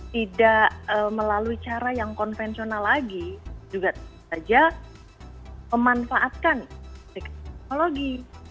tidak melalui cara yang konvensional lagi juga saja memanfaatkan teknologi